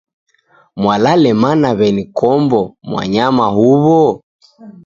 Mwalale mana w'eni Kombo mwanyama huw'o?